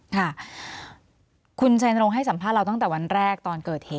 ค่ะคุณชัยนรงค์ให้สัมภาษณ์เราตั้งแต่วันแรกตอนเกิดเหตุ